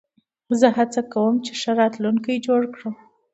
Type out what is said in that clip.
زه هڅه کوم، چي ښه راتلونکی جوړ کړم.